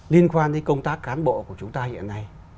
liên quan đến công tác cán bộ của chúng ta hiện nay